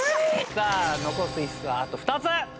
さあ残す椅子はあと２つ。